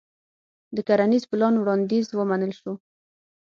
د کرنيز پلان وړانديز ومنل شو.